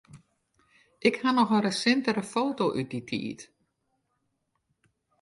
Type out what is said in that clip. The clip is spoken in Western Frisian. Ik haw noch in resintere foto út dy tiid.